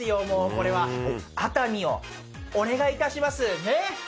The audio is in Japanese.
熱海をお願いいたしますねっ。